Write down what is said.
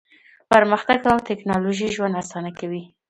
پرمختګ او ټیکنالوژي ژوند اسانه کوي.